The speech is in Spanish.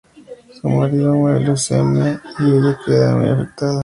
Su marido muere de leucemia y ella queda muy afectada.